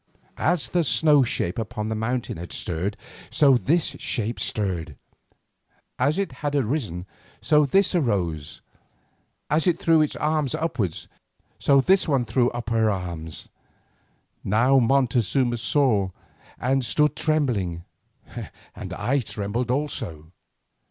As the snow shape upon the mountain had stirred, so this shape stirred; as it had arisen, so this one arose; as it threw its arms upwards, so this one threw up her arms. Now Montezuma saw and stood still trembling, and I trembled also.